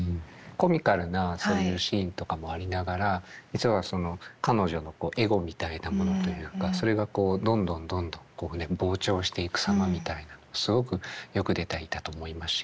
コミカルなそういうシーンとかもありながら実はその彼女のエゴみたいなものというかそれがこうどんどんどんどん膨張していく様みたいなのすごくよく出ていたと思いますし。